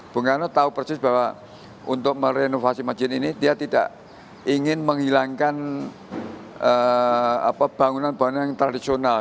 bung karno tahu persis bahwa untuk merenovasi masjid ini dia tidak ingin menghilangkan bangunan bangunan yang tradisional